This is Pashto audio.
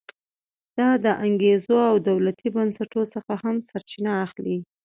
دا د انګېزو او دولتي بنسټونو څخه هم سرچینه اخلي.